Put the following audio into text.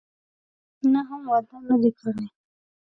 نه، هم واده نه دی کړی.